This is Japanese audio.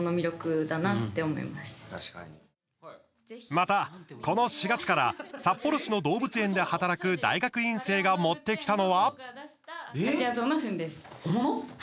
また、この４月から札幌市の動物園で働く大学院生が持ってきたのは。